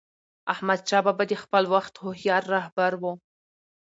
احمدشاه بابا د خپل وخت هوښیار رهبر و.